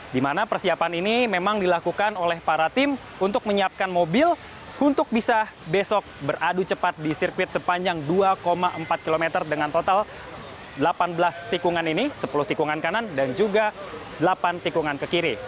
di mana persiapan ini memang dilakukan oleh para tim untuk menyiapkan mobil untuk bisa besok beradu cepat di sirkuit sepanjang dua empat km dengan total delapan belas tikungan ini sepuluh tikungan kanan dan juga delapan tikungan ke kiri